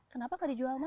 kenapa enggak dijual mak